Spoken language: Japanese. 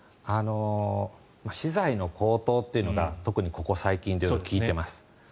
資材の高騰が特にここ最近で聞いてます。